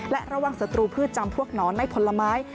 และระวังศัตรูพืชจำพวกหนอนในผลไม้